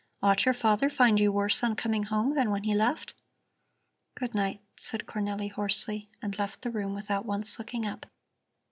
Ought your father find you worse on coming home than when he left?" "Good night," said Cornelli hoarsely, and left the room without once looking up.